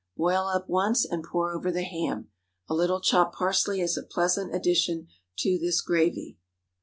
Boil up once and pour over the ham. A little chopped parsley is a pleasant addition to this gravy.